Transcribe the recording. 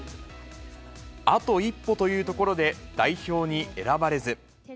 あと一歩というところで、代表に選ばれず。